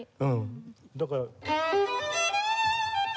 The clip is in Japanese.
だから。